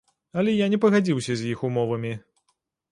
Але я не пагадзіўся з іх умовамі.